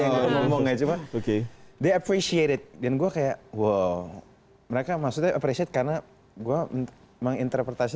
ngomongnya cuma oke di appreciate dan gua kayak wow mereka maksudnya appreciate karena gua menginterpretasi